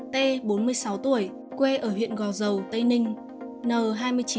t bốn mươi sáu tuổi quê ở huyện gò dầu tây ninh